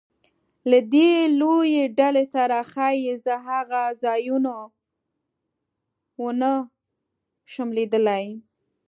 له دې لویې ډلې سره ښایي زه هغه ځایونه ونه شم لیدلی.